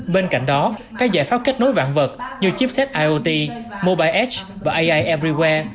bên cạnh đó các giải pháp kết nối vạn vật như chipset iot mobile edge và ai everywhere